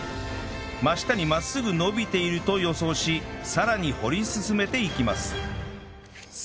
真下に真っすぐ伸びていると予想しさらに掘り進めていきます